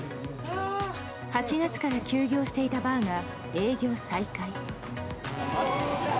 ８月から休業していたバーが営業再開。